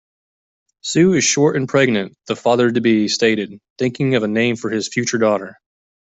"Sue is short and pregnant", the father-to-be stated, thinking of a name for his future daughter.